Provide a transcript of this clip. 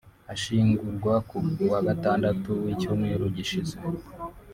ashyingurwa ku wagatandatu w’icyumweru gishize